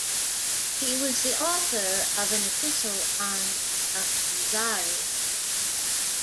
He was the author of an epistle on the "Kuzari".